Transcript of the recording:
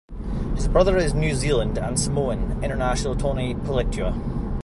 His brother is New Zealand and Samoan international Tony Puletua.